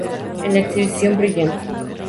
En la exhibición "Brilliant!